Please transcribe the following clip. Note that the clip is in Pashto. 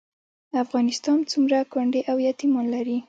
افغانستان څومره کونډې او یتیمان لري؟